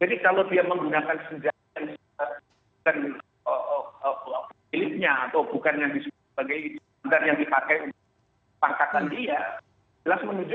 jadi kalau dia menggunakan senjata yang dipakai oleh penyidiknya